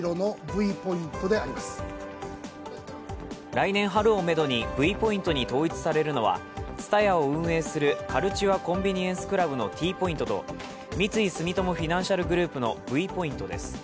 来年春をめどにＶポイントに統一されるのはＴＳＵＴＡＹＡを運営するカルチュア・コンビニエンス・クラブのＴポイントと三井住友フィナンシャルグループのＶポイントです。